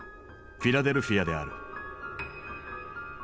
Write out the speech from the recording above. フィラデルフィアである。